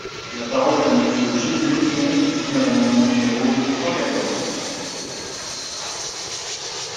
La parole est à Monsieur Gilles Lurton, pour soutenir l’amendement numéro cent quatorze.